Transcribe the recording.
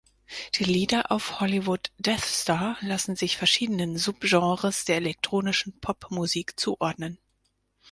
Die Lieder auf "Hollywood Death Star" lassen sich verschiedenen Subgenres der elektronischen Popmusik zuordnen.